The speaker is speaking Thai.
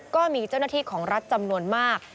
ก็มีเจ้าหน้าที่ของรัฐจำนวนมาก